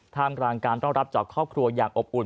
มกลางการต้อนรับจากครอบครัวอย่างอบอุ่น